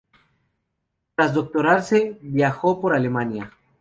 Tras doctorarse, viajó por Alemania.